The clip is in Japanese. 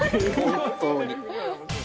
本当に。